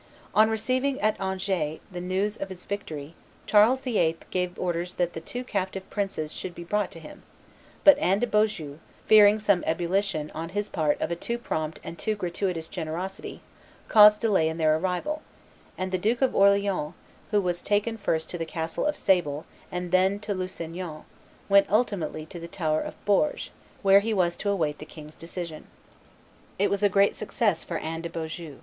On receiving at Angers the news of this victory, Charles VIII. gave orders that the two captive princes should be brought to him; but Anne de Beaujeu, fearing some ebullition on his part of a too prompt and too gratuitous generosity, caused delay in their arrival; and the Duke of Orleans, who was taken first to the castle of Sable and then to Lusignan, went ultimately to the Tower of Bourges, where he was to await the king's decision. It was a great success for Anne de Beaujeu.